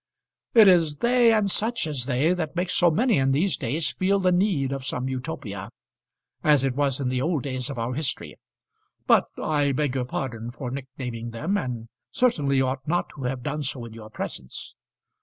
"It is they and such as they that make so many in these days feel the need of some Utopia, as it was in the old days of our history. But I beg your pardon for nicknaming them, and certainly ought not to have done so in your presence."